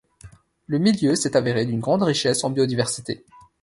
Le milieu s'est avéré d'une grande richesse en biodiversité.